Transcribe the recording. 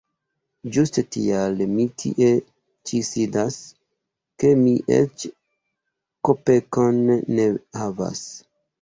Ĝuste tial mi tie ĉi sidas, ke mi eĉ kopekon ne havas.